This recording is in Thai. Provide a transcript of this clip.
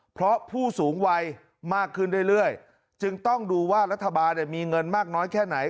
เพราะผู้สูงวัยมากขึ้นเรื่อยจึงต้องดูว่ารัฐบาลมีเงินมากน้อยแค่ไหน